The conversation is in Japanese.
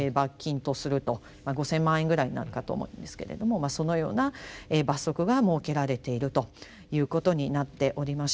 まあ５，０００万円ぐらいになるかと思うんですけれどもそのような罰則が設けられているということになっておりまして。